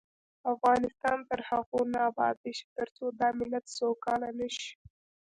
افغانستان تر هغو نه ابادیږي، ترڅو دا ملت سوکاله نشي.